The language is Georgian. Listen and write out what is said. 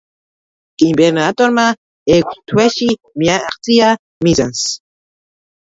იმპერატორმა ექვს თვეში მიაღწია მიზანს.